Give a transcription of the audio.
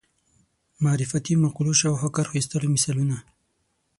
معرفتي مقولو شاوخوا کرښو ایستلو مثالونه